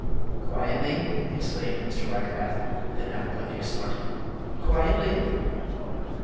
"Quietly?" exclaimed Mr. Wackerbath, with an apoplectic snort; "_quietly!!